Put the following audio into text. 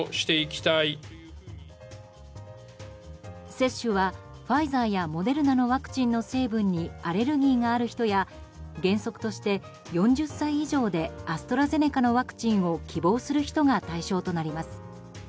接種はファイザーやモデルナのワクチンの成分にアレルギーがある人や原則として４０歳以上でアストラゼネカのワクチンを希望する人が対象となります。